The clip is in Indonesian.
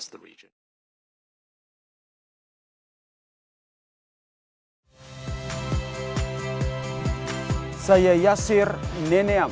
dan lebih secara general